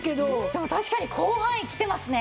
でも確かに広範囲きてますね。